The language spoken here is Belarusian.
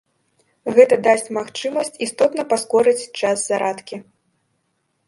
Гэта дасць магчымасць істотна паскорыць час зарадкі.